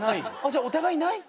お互いない？